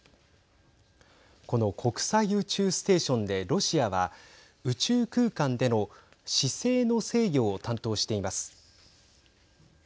この国際宇宙ステーションでロシアは宇宙空間での姿勢の制御を担当しています。